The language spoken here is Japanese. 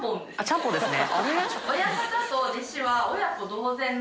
ちゃんぽんですねあれ？